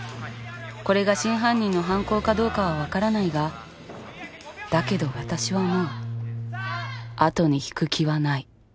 これが真犯人の犯行かどうかはわからないがだけど私はもう後に引く気はない。